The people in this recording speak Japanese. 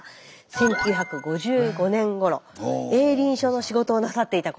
１９５５年ごろ営林署の仕事をなさっていた頃です。